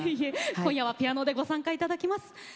今夜はピアノでご参加いただきます。